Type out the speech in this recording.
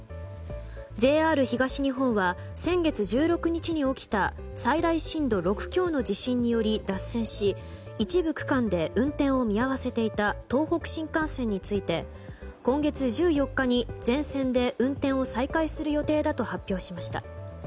ＪＲ東日本は先月１６日に起きた最大震度６強の地震により脱線し一部区間で運転を見合わせていた東北新幹線について今月１４日に全線で運転を再開する予定だと発表しました。